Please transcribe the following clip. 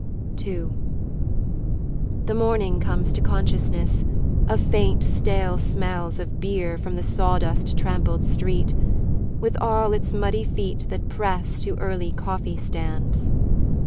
II The morning comes to consciousness Of faint stale smells of beer From the sawdust trampled street With all its muddy feet that press To early coffee stands.